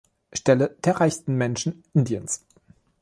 Stelle der reichsten Menschen Indiens.